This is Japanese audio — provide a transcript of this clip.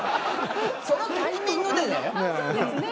そのタイミングで、だよ。